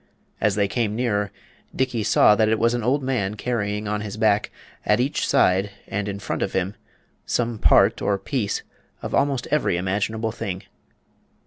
As they came nearer, Dickey saw that it was an old man carrying on his back, at each side and in front of him, some part or piece of almost every imaginable thing.